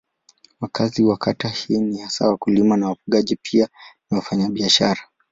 Wakazi wa kata hii ni hasa wakulima na wafugaji pia ni wafanyabiashara.